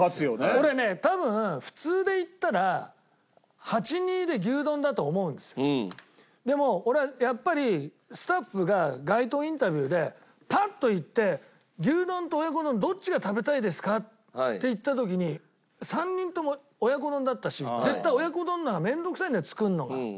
俺ね多分普通でいったらでも俺はやっぱりスタッフが街頭インタビューでパッといって「牛丼と親子丼どっちが食べたいですか？」って言った時に３人とも親子丼だったし絶対親子丼の方が面倒くさいんだよ作るのが。